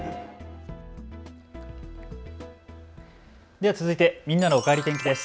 では続いてみんなのおかえり天気です。